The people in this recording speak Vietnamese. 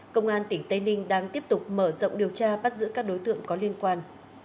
công an tỉnh tây ninh đang tiếp tục mở rộng điều tra bắt giữ các đối tượng có liên quan